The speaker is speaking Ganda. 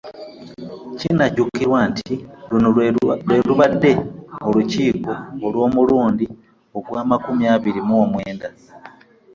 Kinajjukirwa nti luno lwe lubadde Olukiiko olw'omulundi ogw'amakumi abiri mu omwenda